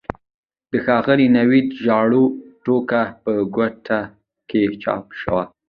د ښاغلي نوید د ژباړو ټولګه په کوټه کې چاپ شوه.